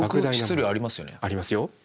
ありますよ。